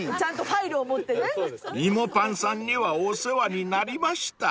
［イモパンさんにはお世話になりました］